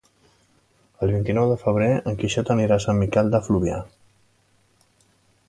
El vint-i-nou de febrer en Quixot anirà a Sant Miquel de Fluvià.